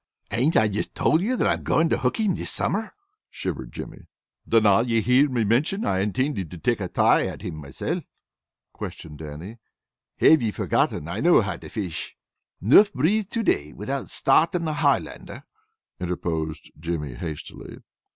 "Ain't I just told you that I am going to hook him this summer?" shivered Jimmy. "Dinna ye hear me mention that I intended to take a try at him mysel'?" questioned Dannie. "Have ye forgotten that I know how to fish?" "'Nough breeze to day without starting a Highlander," interposed Jimmy hastily.